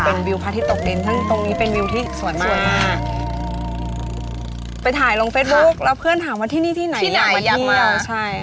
เป็นวิวพัฒนาที่ตกเด่นซึ่งตรงนี้เป็นวิวที่สวยมากสวยมากไปถ่ายลงเฟสบุ๊คค่ะแล้วเพื่อนถามว่าที่นี่ที่ไหนอยากมาที่ไหนอยากมาใช่